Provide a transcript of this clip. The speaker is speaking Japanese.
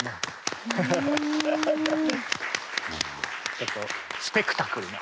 ちょっとスペクタクルな。